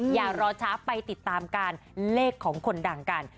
อย่ารอช้าไปติดตามการเลขของคนดังกัน